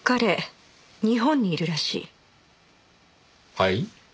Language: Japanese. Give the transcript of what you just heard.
はい？